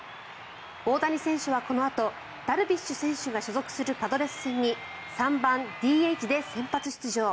大谷選手はこのあとダルビッシュ選手が所属するパドレス戦に３番ＤＨで先発出場。